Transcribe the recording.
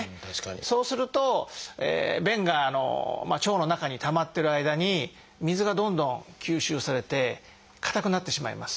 そうすると便が腸の中にたまってる間に水がどんどん吸収されて硬くなってしまいます。